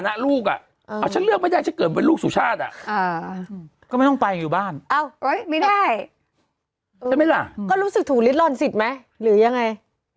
ถูกฤทธิ์รอนสิทธิ์ไหมหรือยังไง